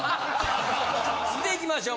見ていきましょう。